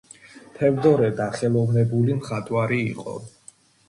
თევდორე დახელოვნებული მხატვარი იყო.